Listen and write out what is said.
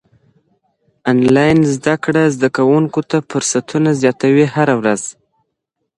انلاين زده کړه زده کوونکو ته فرصتونه زياتوي هره ورځ.